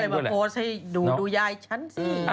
แล้วก็เลยมาโพสต์ให้ดูดูยายฉันสิ